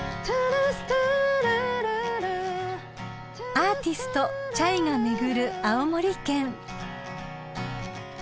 ［アーティストｃｈａｙが巡る青森県］